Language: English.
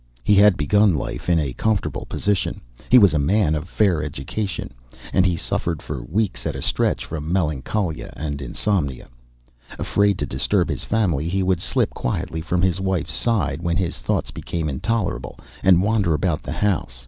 He had begun life in a comfortable position, he was a man of fair education, and he suffered, for weeks at a stretch, from melancholia and insomnia. Afraid to disturb his family, he would slip quietly from his wife's side, when his thoughts became intolerable, and wander about the house.